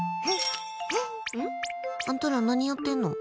ん？あんたら何やってんの？